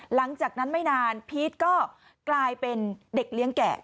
หลังจากนั้นไม่นานพีชก็กลายเป็นเด็กเลี้ยงแก่